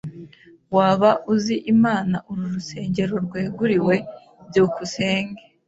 Waba uzi imana uru rusengero rweguriwe? byukusenge